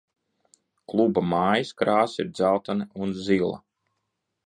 Kluba mājas krāsas ir dzeltena un zila.